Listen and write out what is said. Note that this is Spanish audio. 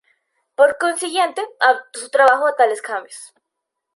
Por consiguiente, adoptó su trabajo a tales cambios.